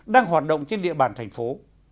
đang hoạt động trên địa bàn thành phố